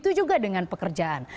begitu juga dengan pekerjaan